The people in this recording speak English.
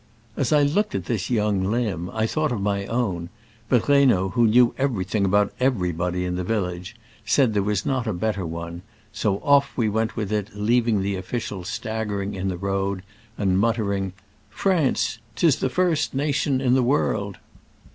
As I looked at this young limb, I thought of my own ; but Reynaud, who knew every thing about everybody in the village, said there was not a better one ; so off we went with it, leaving the official staggering in the road, and muttering, " France ! 'tis the first nation in the world